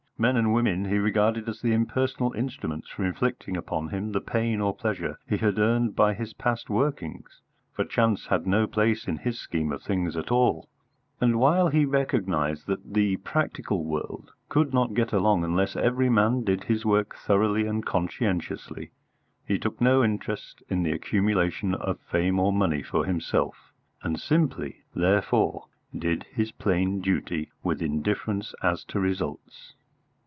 Men and women he regarded as the impersonal instruments for inflicting upon him the pain or pleasure he had earned by his past workings, for chance had no place in his scheme of things at all; and while he recognised that the practical world could not get along unless every man did his work thoroughly and conscientiously, he took no interest in the accumulation of fame or money for himself, and simply, therefore, did his plain duty, with indifference as to results.